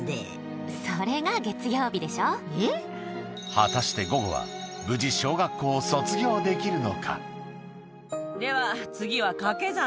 果たしてゴゴは無事小学校を卒業できるのか？